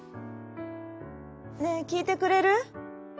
「ねえきいてくれる？